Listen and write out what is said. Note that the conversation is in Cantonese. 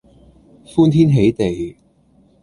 歡天喜地